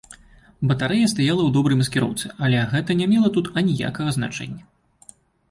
Батарэя стаяла ў добрай маскіроўцы, але гэта не мела тут аніякага значэння.